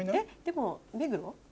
でも目黒？